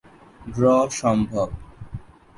Draw সম্ভব।